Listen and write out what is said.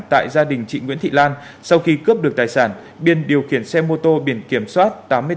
tại gia đình chị nguyễn thị lan sau khi cướp được tài sản biên điều khiển xe mô tô biển kiểm soát